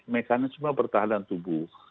mekanisme pertahanan tubuh